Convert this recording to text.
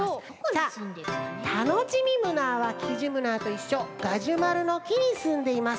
さあタノチミムナーはキジムナーといっしょガジュマルのきにすんでいます。